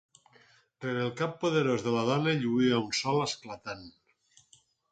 Rere el cap poderós de la dona lluïa un sol esclatant.